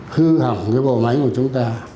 hư hỏng cái bộ máy của chúng ta